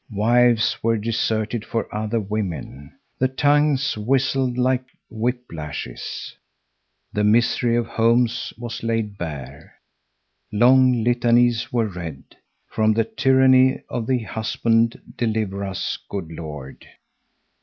Wives were deserted for other women. The tongues whistled like whip lashes. The misery of homes was laid bare. Long litanies were read. From the tyranny of the husband deliver us, good Lord!